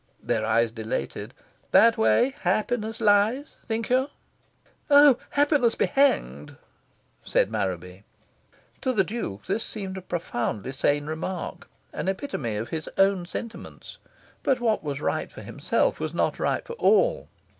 Their eyes dilated. "That way happiness lies, think you?" "Oh, happiness be hanged!" said Marraby. To the Duke this seemed a profoundly sane remark an epitome of his own sentiments. But what was right for himself was not right for all.